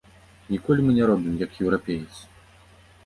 Ніколі мы не робім, як еўрапеец.